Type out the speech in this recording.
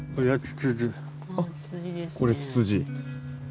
あこれツツジ。